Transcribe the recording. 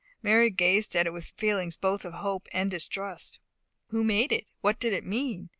Mary gazed at it with feelings both of hope and distrust. Who made it? What did it mean?